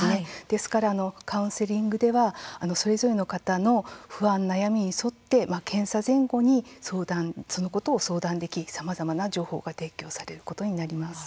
ですからカウンセリングではそれぞれの方の不安、悩みに沿って検査前後にそのことを相談できさまざまな情報が提供されることになります。